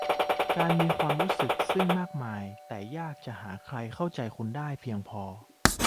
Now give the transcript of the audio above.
การมีความรู้สึกลึกซึ้งมากมายแต่ยากจะหาใครเข้าใจคุณได้เพียงพอ